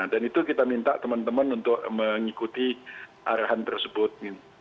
dan itu kita minta teman teman untuk mengikuti arahan tersebut